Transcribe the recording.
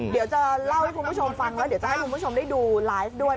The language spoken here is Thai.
เดี๋ยวจะเล่าให้คุณผู้ชมฟังแล้วเดี๋ยวจะให้คุณผู้ชมได้ดูไลฟ์ด้วย